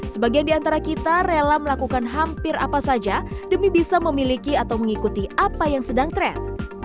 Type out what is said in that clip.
sebagian di antara kita rela melakukan hampir apa saja demi bisa memiliki atau mengikuti apa yang sedang tren